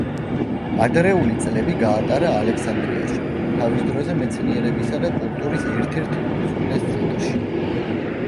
ადრეული წლები გაატარა ალექსანდრიაში, თავის დროზე მეცნიერებისა და კულტურის ერთ-ერთ უმსხვილეს ცენტრში.